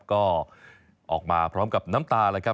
ก็ออกมาพร้อมกับน้ำตาเลยครับ